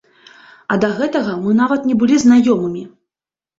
А да гэтага мы нават не былі знаёмымі.